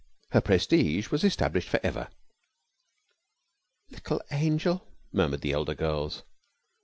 Her prestige was established for ever. "Little angel," murmured the elder girls.